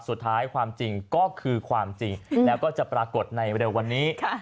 สุดท้ายความจริงก็คือความจริงแล้วก็จะปรากฏในเร็ววันนี้